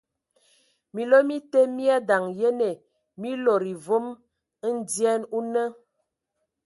Minlo mi te e mi mi adaŋ yene, mi lodo e vom ndyɛn o nə.